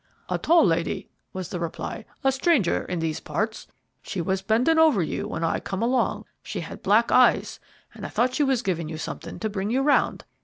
"A tall lady," was the reply, "a stranger in these parts. She was bending over you when I come along. She had black eyes, and I thought she was giving you something to bring you round.